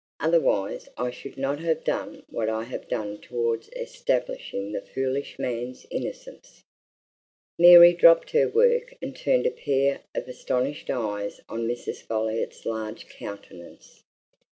"Otherwise I should not have done what I have done towards establishing the foolish man's innocence!" Mary dropped her work and turned a pair of astonished eyes on Mrs. Folliot's large countenance.